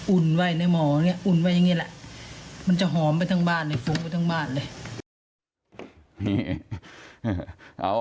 อุ่นไว้ในหมอเนี่ยอุ่นไว้อย่างนี้แหละมันจะหอมไปทั้งบ้านในฟุ้งไปทั้งบ้านเลย